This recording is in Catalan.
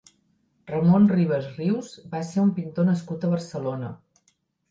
Ramon Ribas Rius va ser un pintor nascut a Barcelona.